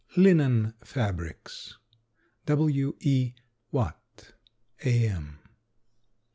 ] LINEN FABRICS. W. E. WATT, A. M.